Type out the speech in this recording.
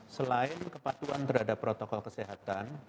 selain kepatuhan terhadap protokol kesehatan